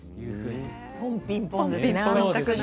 ポンピンポンですよね。